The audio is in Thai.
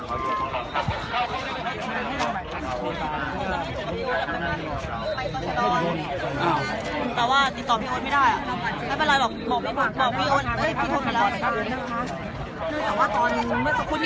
ก็ไม่มีใครกลับมาเมื่อเวลาอาทิตย์เกิดขึ้น